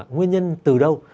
nguyên nhân từ đâu